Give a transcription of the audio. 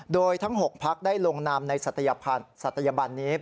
โดยทั้ง๖พักได้ลงนามในศัตยบันนี้